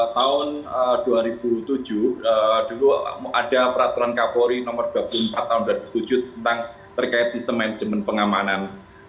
tahun dua ribu tujuh dulu ada peraturan kapolri nomor dua puluh empat tahun dua ribu tujuh tentang terkait sistem manajemen pengamanan